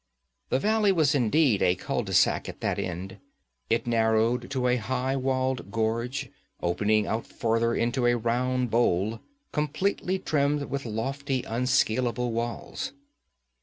The valley was indeed a cul de sac at that end. It narrowed to a high walled gorge, opening out further into a round bowl, completely rimmed with lofty, unscalable walls.